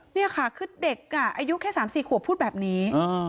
นี่ค่ะคือเด็กอายุแค่๓๔ขวบพูดแบบนี้